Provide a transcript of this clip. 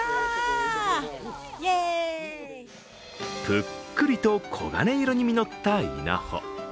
ぷっくりと黄金色に実った稲穂。